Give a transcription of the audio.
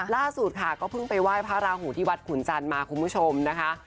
ล่าสุดค่ะก็เพิ่งไปไหว้พระราหูที่วัดขุนจันทร์มาคุณผู้ชมนะคะ